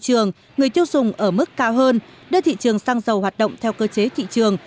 thị trường người tiêu dùng ở mức cao hơn đưa thị trường xăng dầu hoạt động theo cơ chế thị trường